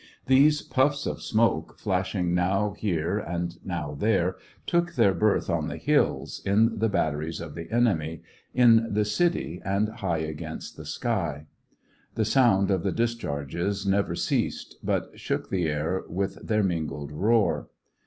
These puffs of smoke flash ing now here, now there, took their birth on the hills, in the batteries of the enemy, in the city, and high against the sky. The sound of the dis charges never ceased, but shook the air with their mingled roar.